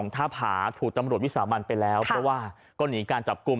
ท่าผาถูกตำรวจวิสามันไปแล้วเพราะว่าก็หนีการจับกลุ่ม